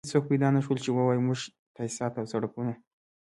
هېڅوک پيدا نه شول چې ووايي موږ تاسيسات او سړکونه.